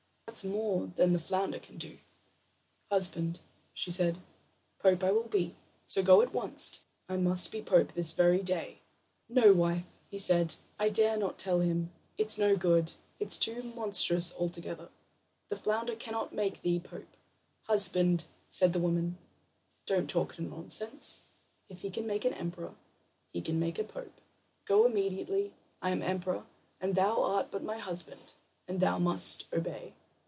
That's more than the flounder can do." "Husband," she said, "pope I will be; so go at once. I must be pope this very day." "No, wife," he said, "I dare not tell him. It's no good; it's too monstrous altogether. The flounder cannot make thee pope." "Husband," said the woman, "don't talk nonsense. If he can make an emperor, he can make a pope. Go immediately. I am emperor, and thou art but my husband, and thou must obey."